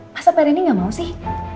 masa pak randy gak mau sih